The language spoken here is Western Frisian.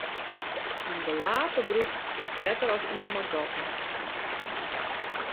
In belape broek is better as ien mei gatten.